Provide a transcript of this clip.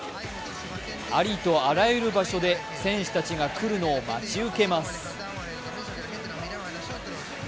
ありとあらゆる場所で選手たちが来るのを待ち受けます。